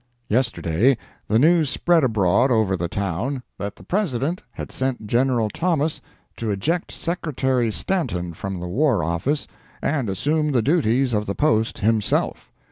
Yesterday the news spread abroad over the town that the President had sent General Thomas to eject Secretary Stanton from the War Office and assume the duties of the post himself.